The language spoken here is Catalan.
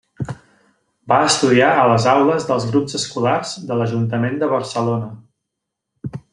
Va estudiar a les aules dels grups escolars de l'Ajuntament de Barcelona.